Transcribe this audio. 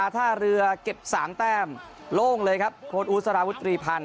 ท่าเรือเก็บ๓แต้มโล่งเลยครับโคตรอุสราวุธ๓๐๐๐